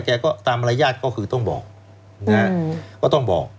แกก็ตามมารยาทก็คือต้องบอก